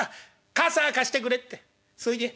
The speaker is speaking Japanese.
『傘貸してくれ』ってそう言え。